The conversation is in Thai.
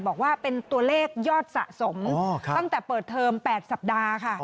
บอกว่าเป็นตัวเลขยอดสะสมตั้งแต่เปิดเทอม๘สัปดาห์ค่ะ